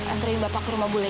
anterin bapak ke rumah bule